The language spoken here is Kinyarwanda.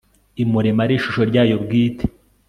imurema ari ishusho ryayo bwite